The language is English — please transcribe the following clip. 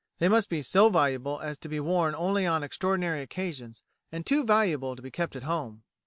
They must be so valuable as to be worn only on extraordinary occasions, and too valuable to be kept at home.